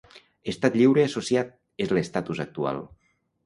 Estat Lliure Associat: és l'estatus actual.